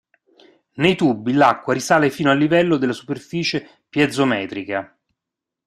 Nei tubi l'acqua risale fino al livello della superficie piezometrica.